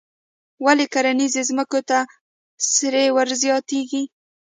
ولې کرنیزو ځمکو ته سرې ور زیاتیږي؟